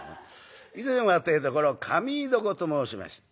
以前はってえとこの髪結床と申しました。